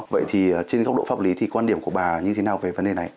vậy thì trên góc độ pháp lý thì quan điểm của bà như thế nào về vấn đề này